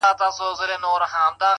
هره تجربه نوی درک راوړي’